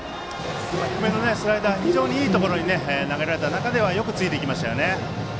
低めのスライダー非常にいいところに投げられた中でよくついていきましたね。